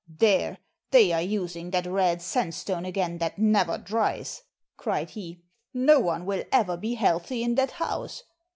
"There, they are using that red sand stone again that never dries!" cried he. "No one will ever be healthy in that house!